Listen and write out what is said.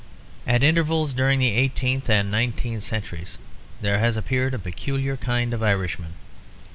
At intervals during the eighteenth and nineteenth centuries there has appeared a peculiar kind of Irishman.